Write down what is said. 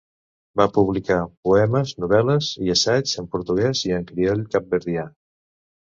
Va publicar poemes, novel·les i assaigs en portuguès i en crioll capverdià.